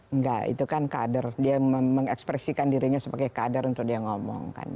enggak itu kan kader dia mengekspresikan dirinya sebagai kader untuk dia ngomong